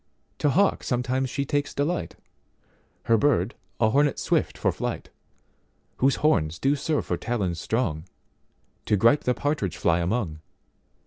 To hawk sometimes she takes delight, Her bird a hornet swift for flight, Whose horns do serve for talons strong, To gripe the partridge fly among.